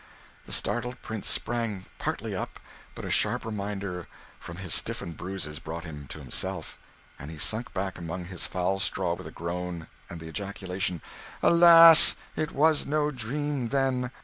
The startled Prince sprang partly up, but a sharp reminder from his stiffened bruises brought him to himself, and he sank back among his foul straw with a moan and the ejaculation "Alas! it was no dream, then!"